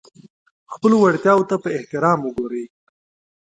خپلو وړتیاوو ته په احترام وګورئ.